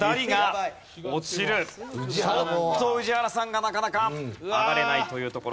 ちょっと宇治原さんがなかなか上がれないというところ。